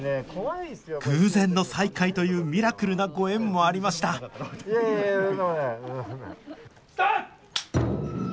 偶然の再会というミラクルなご縁もありましたスタート！